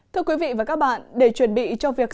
thưa quý vị và các bạn để chuẩn bị cho việc